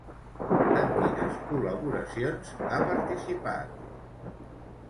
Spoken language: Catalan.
En quines col·laboracions ha participat?